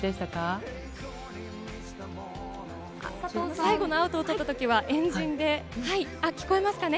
最後のアウトを取ったときは、円陣で、聞こえますかね？